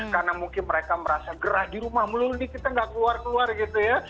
karena mungkin mereka merasa gerah di rumah mulai mulai kita gak keluar keluar gitu ya